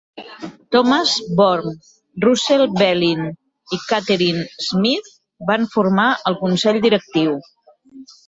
Thomas Vorm, Russell Bellin i Catherine Schmidt van formar el Consell Directiu.